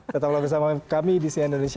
tetap logos sama kami di cnn indonesia